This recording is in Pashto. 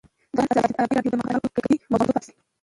د بیان آزادي د ازادي راډیو د مقالو کلیدي موضوع پاتې شوی.